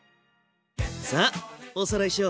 さあおさらいしよう。